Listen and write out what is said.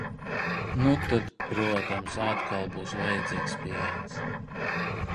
Nu tad, protams, atkal būs vajadzīgs piens.